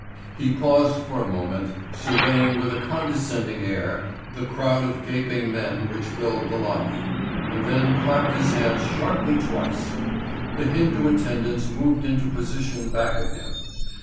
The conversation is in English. He paused for a moment, surveying with a condescending air the crowd of gaping men which filled the lobby, and then clapped his hands sharply twice. The Hindu attendants moved into position back of him.